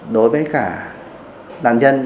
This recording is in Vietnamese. đối với cả nạn nhân